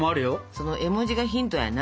その絵文字がヒントやな。